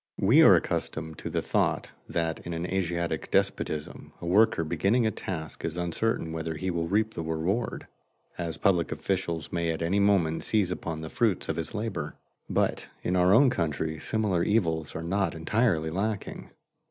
We are accustomed to the thought that in an Asiatic despotism a worker beginning a task is uncertain whether he will reap the reward, as public officials may at any moment seize upon the fruits of his labor. But in our own country similar evils are not entirely lacking.